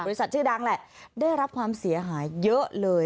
ชื่อดังแหละได้รับความเสียหายเยอะเลย